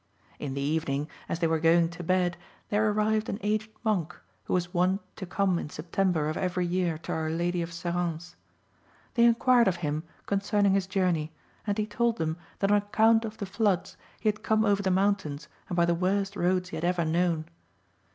In the evening, as they were going to bed, there arrived an aged monk who was wont to come in September of every year to Our Lady of Serrance. They inquired of him concerning his journey, and he told them that on account of the floods he had come over the mountains and by the worst roads he had ever known.